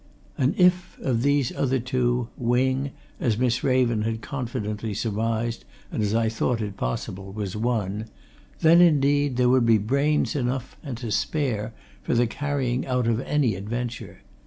And if, of these other two, Wing, as Miss Raven had confidently surmised and as I thought it possible, was one, then, indeed, there would be brains enough and to spare for the carrying out of any adventure.